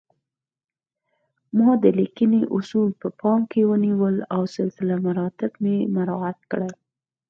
ما د لیکنې اصول په پام کې ونیول او سلسله مراتب مې مراعات کړل